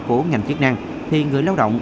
của ngành chức năng thì người lao động